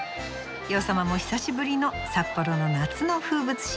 洋さまも久しぶりの札幌の夏の風物詩。